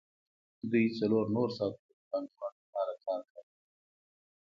دوی څلور نور ساعتونه د پانګوال لپاره کار کاوه